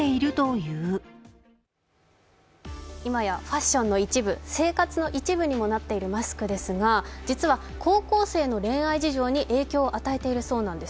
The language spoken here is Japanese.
いまやファッションの一部生活の一部ともなっているマスクですが実は高校生の恋愛事情に影響を与えているそうなんです。